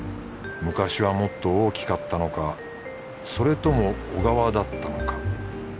昔はもっと大きかったのかそれとも小川だったのか。